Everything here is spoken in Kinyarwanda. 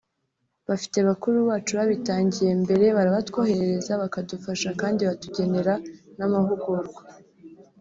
bafite bakuru bacu babitangiye mbere barabatwoherereza bakadufasha kandi batugenera n’amahugurwa